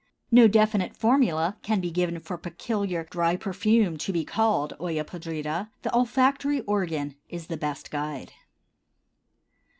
No definite formula can be given for a peculiar dry perfume to be called Olla podrida; the olfactory organ is the best guide.